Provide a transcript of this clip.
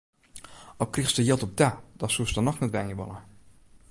Al krigest der jild op ta, dan soest der noch net wenje wolle.